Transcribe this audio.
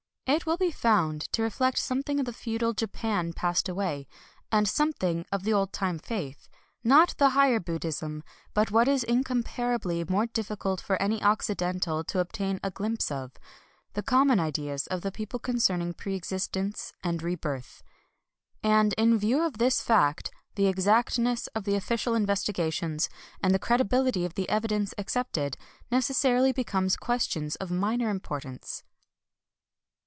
It will be found to reflect something of the feu dal Japan passed away, and something of the old time faith, — not the higher Buddhism, but what is incomparably more difficult for any Occidental to obtain a glimpse of : the com mon ideas of the people concerning preexist ence and rebirth. And in view of this fact, the exactness of the official investigations, and the credibility of the evidence accepted, neces sarily become questions of minor importance.